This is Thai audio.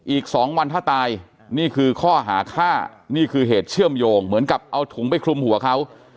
อีก๒วันถ้าตายนี่คือข้อหาฆ่านี่คือเหตุเชื่อมโยงเหมือนกับเอาถุงไปคลุมหัวเขา